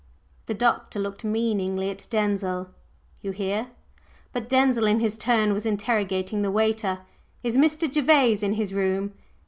The Doctor looked meaningly at Denzil. "You hear?" But Denzil in his turn was interrogating the waiter. "Is Mr. Gervase in his room?"